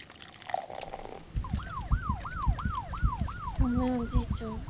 ごめんおじいちゃん。